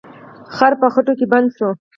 خر په خټو کې بند شو.